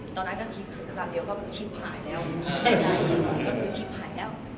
ตอนนั้นก็ชิบหายแล้ว